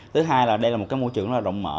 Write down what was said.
thứ hai là đây là một cái môi trường rất là rộng mở